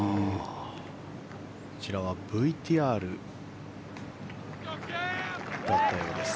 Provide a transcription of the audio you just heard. こちらはＶＴＲだったようです。